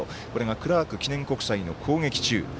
クラーク記念国際の攻撃中。